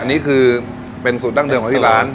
อันนี้คือเป็นสูตรดั้งเดิมของที่ร้าน